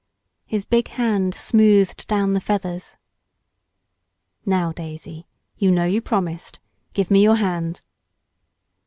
His big hand smoothed down the feathers. "Now, Daisy. You know you promised. Give me your hand."